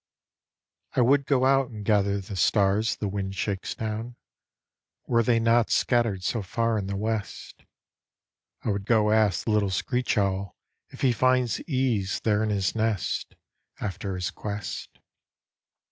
I would go out And gather the stars The wind shakes down, Were they not scattered 94 BROTHER BEASTS 95 So far in the West. I would go ask The little screech owl If he finds ease There in his nest After his quest.